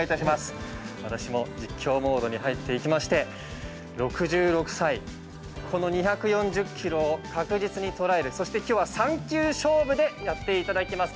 私も実況モードに入っていきまして６６歳、この２４０キロを確実に捉えるそして今日は３球勝負でやっていただきます。